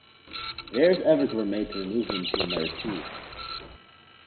Various efforts were made to remove him to another see.